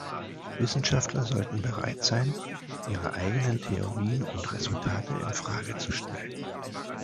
Wissenschaftler sollten bereit sein, ihre eigenen Theorien und Resultate in Frage zu stellen.